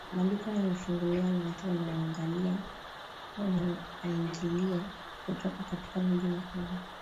maduka yanafunguliwa na watu wanaingilia kutoka katika miji mikubwa